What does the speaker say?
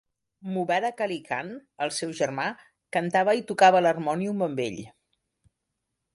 Mubarak Ali Khan, el seu germà, cantava i tocava l'harmònium amb ell.